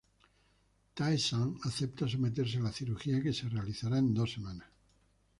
Tae-san acepta someterse a la cirugía, que se realizará en dos semanas.